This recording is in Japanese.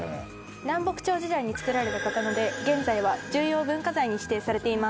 「南北朝時代に作られた刀で現在は重要文化財に指定されています」